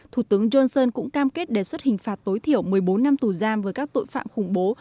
thủ tướng johnson cũng cam kết đề xuất hình phạt tối thiểu một mươi bốn năm tù giam với các tội phạm khủng bố